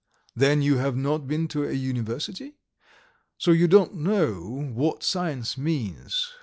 "Then you have not been to a university? So you don't know what science means.